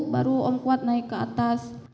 baru om kuat naik ke atas